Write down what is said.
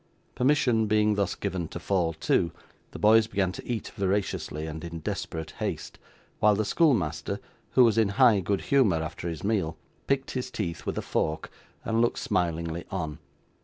Permission being thus given to fall to, the boys began to eat voraciously, and in desperate haste: while the schoolmaster (who was in high good humour after his meal) picked his teeth with a fork, and looked smilingly on.